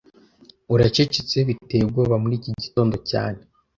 Uracecetse biteye ubwoba muri iki gitondo cyane